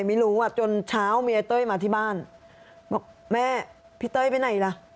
เมื่อเช้ามีไอ้เต้ยมาที่บ้านบอกแม่พี่เต้ยไปไหนล่ะ